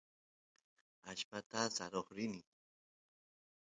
allpata saroq rini